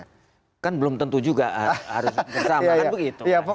kan belum tentu juga harus bersama kan begitu